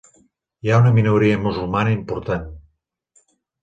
Hi ha una minoria musulmana important.